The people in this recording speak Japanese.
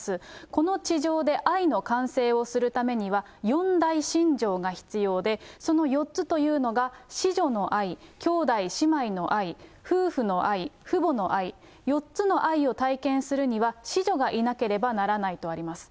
この地上で愛の完成をするためには、四代心情が必要で、その４つというのが、子女の愛、兄弟姉妹の愛、夫婦の愛、父母の愛、４つの愛を体験するには子女がいなければならないとあります。